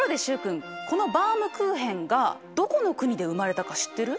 このバウムクーヘンがどこの国で生まれたか知ってる？